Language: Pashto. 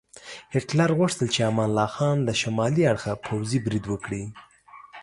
هیټلر غوښتل چې امان الله خان له شمالي اړخه پوځي برید وکړي.